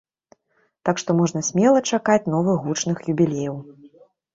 Так што можна смела чакаць новых гучных юбілеяў.